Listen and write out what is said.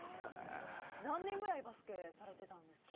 何年くらいバスケされてたんですか？